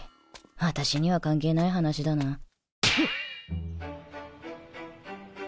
私には関係ない話だなケッ！